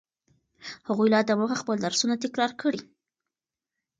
هغوی لا دمخه خپل درسونه تکرار کړي.